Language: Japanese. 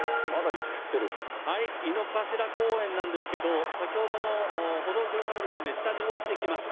はい、井の頭公園なんですけど、先ほどの歩道橋から下に下りてきました。